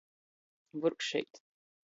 Vurkšeit.